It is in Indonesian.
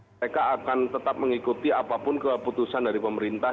mereka akan tetap mengikuti apapun keputusan dari pemerintah